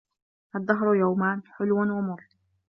الدهر يومان حلو ومر